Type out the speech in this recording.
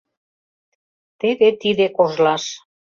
— Теве тиде кожлаш.